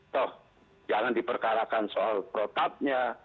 toh jangan diperkarakan soal protapnya